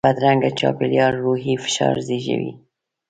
بدرنګه چاپېریال روحي فشار زیږوي